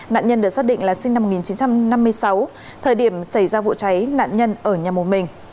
nạn nhân được xác định là sinh năm một nghìn chín trăm năm mươi sáu thời điểm xảy ra vụ cháy nạn nhân ở nhà một mình